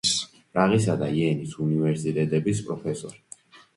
პრაღისა და იენის უნივერსიტეტების პროფესორი.